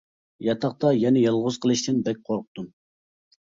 ياتاقتا يەنە يالغۇز قېلىشتىن بەك قورقتۇم.